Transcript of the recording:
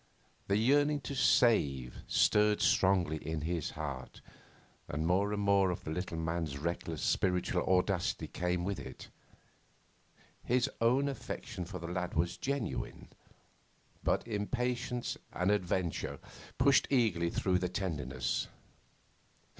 The yearning to save stirred strongly in his heart, and more and more of the little man's reckless spiritual audacity came with it. His own affection for the lad was genuine, but impatience and adventure pushed eagerly through the tenderness.